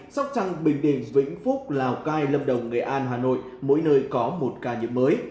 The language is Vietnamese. sóc trăng bình định vĩnh phúc lào cai lâm đồng nghệ an hà nội mỗi nơi có một ca nhiễm mới